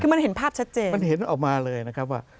คือมันเห็นภาพชัดเจนมันเห็นออกมาเลยนะครับว่า